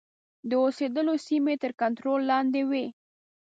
د اوسېدلو سیمې یې تر کنټرول لاندي وې.